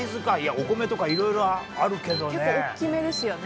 お米とかいろいろあるけどね。